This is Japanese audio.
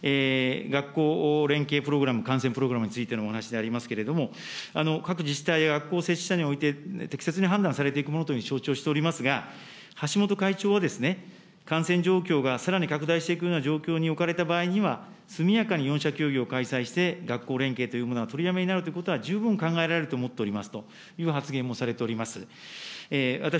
その上で、学校連携プログラム、観戦プログラムについてのお話でありますけれども、各自治体や学校設置者において、適切に判断されていくものというふうに承知をしておりますが、橋本会長はですね、感染状況がさらに拡大していくような状況に置かれた場合には、速やかに４者協議を開催して、学校連携というものは取りやめになるということは十分考えられると思っておりますという発言をされております。